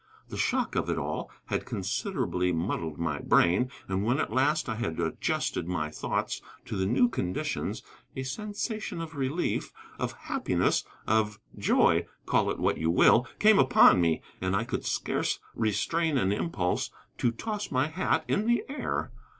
The shock of it all had considerably muddled my brain, and when at last I had adjusted my thoughts to the new conditions, a sensation of relief, of happiness, of joy (call it what you will), came upon me, and I could scarce restrain an impulse to toss my hat in the air.